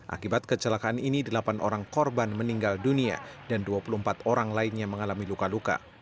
akibat kecelakaan ini delapan orang korban meninggal dunia dan dua puluh empat orang lainnya mengalami luka luka